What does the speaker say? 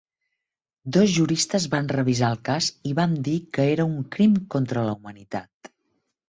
Dos juristes van revisar el cas i van dir que era "un crim contra la humanitat".